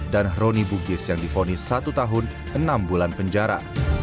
dan roni bugis yang difonis satu tahun enam bulan penjara